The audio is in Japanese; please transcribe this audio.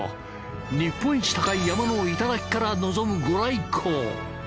日本一高い山の頂から望むご来光。